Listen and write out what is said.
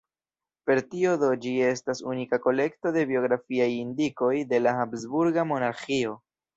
Per tio do ĝi estas unika kolekto de biografiaj indikoj de la habsburga monarĥio.